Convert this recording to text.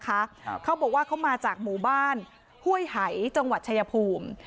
ครับเขาบอกว่าเขามาจากหมู่บ้านห้วยหายจังหวัดชายภูมิ